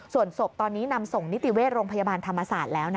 ส่วนศพตอนนี้นำส่งนิติเวชโรงพยาบาลธรรมศาสตร์แล้ว